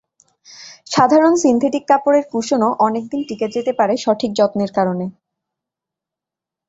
সাধারণ সিনথেটিক কাপড়ের কুশনও অনেক দিন টিকে যেতে পারে সঠিক যত্নের কারণে।